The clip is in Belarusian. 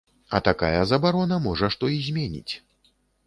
А такая забарона, можа, што і зменіць.